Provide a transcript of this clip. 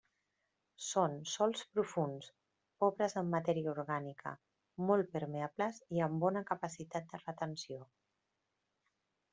Són sòls profunds, pobres en matèria orgànica, molt permeables i amb bona capacitat de retenció.